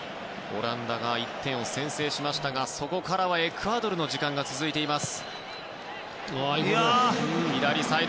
オランダが１点を先制しましたがそこからはエクアドルの時間が続いています。